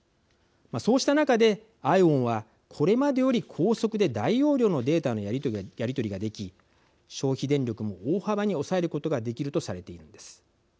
そうした中でＩＯＷＮはこれまでより高速で大容量のデータのやり取りができ消費電力も大幅に抑えることができるとされているんです。